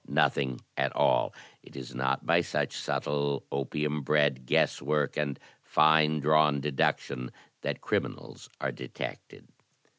Nothing at all. It is not by such subtle, opium bred guess work and fine drawn deduction that criminals are detected."